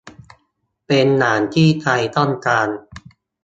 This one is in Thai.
เป็นอย่างที่ใจต้องการ